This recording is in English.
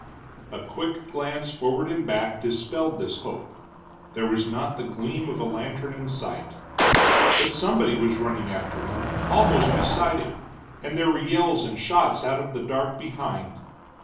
A quick glance forward and back dispelled this hope; there was not the gleam of a lantern in sight. But somebody was running after him, almost beside him, and there were yells and shots out of the dark behind.